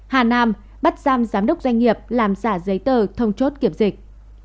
hà nam bắt giam giám đốc doanh nghiệp làm giả giấy tờ thông chốt kiểm dịch